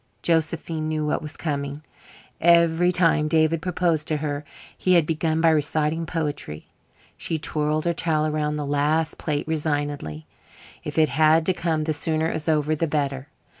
Josephine knew what was coming. Every time David proposed to her he had begun by reciting poetry. She twirled her towel around the last plate resignedly. If it had to come, the sooner it was over the better.